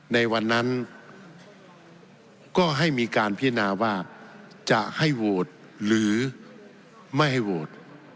ในวันนั้นก็ให้มีการพินาว่าจะให้โหวตหรือไม่ให้โหวต